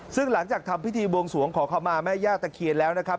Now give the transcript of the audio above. ซึ่งหลังจากทำพิธีบวงสวงขอเข้ามาแม่ย่าตะเคียนแล้วนะครับ